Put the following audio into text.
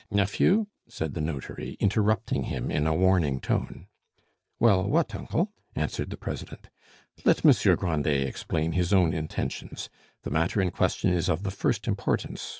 "Nephew!" said the notary, interrupting him in a warning tone. "Well, what, uncle?" answered the president. "Let Monsieur Grandet explain his own intentions. The matter in question is of the first importance.